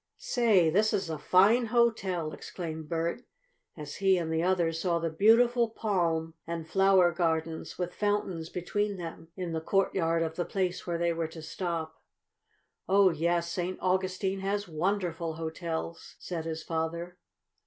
"Say, this is a fine hotel!" exclaimed Bert as he and the others saw the beautiful palm and flower gardens, with fountains between them, in the courtyard of the place where they were to stop. "Oh, yes, St. Augustine has wonderful hotels," said his father.